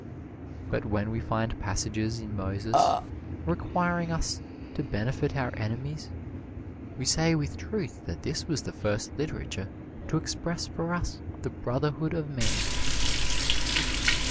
But when we find passages in Moses requiring us to benefit our enemies, we say with truth that this was the first literature to express for us the brotherhood of man.